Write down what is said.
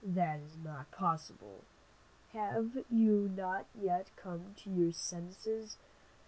That is not possible. Have you not yet come to your senses?